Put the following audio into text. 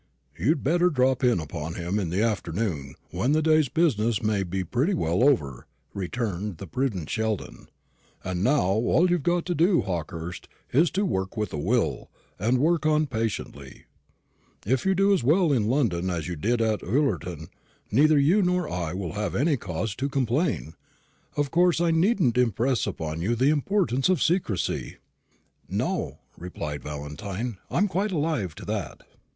"You'd better drop in upon him in the afternoon, when the day's business may be pretty well over," returned the prudent Sheldon. "And now all you've got to do, Hawkehurst, is to work with a will, and work on patiently. If you do as well in London as you did at Ullerton, neither you nor I will have any cause to complain. Of course I needn't impress upon you the importance of secrecy." "No," replied Valentine; "I'm quite alive to that."